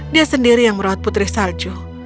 dia sendiri yang merawat putri salju